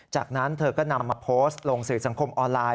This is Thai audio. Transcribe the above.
จากนั้นเธอก็นำมาโพสต์ลงสื่อสังคมออนไลน